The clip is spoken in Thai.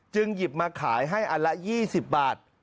หยิบมาขายให้อันละ๒๐บาท